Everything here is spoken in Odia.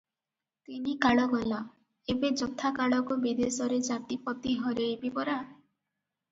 ତିନି କାଳ ଗଲା, ଏବେ ଯଥାକାଳକୁ ବିଦେଶରେ ଜାତିପତି ହରେଇବି ପରା?